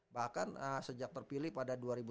bahkan sejak terpilih pada dua ribu dua puluh